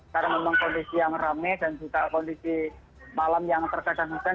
karena memang kondisi yang rame dan juga kondisi malam yang terkadang hutan